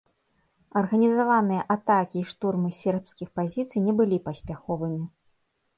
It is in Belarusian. Арганізаваныя атакі і штурмы сербскіх пазіцый не былі паспяховымі.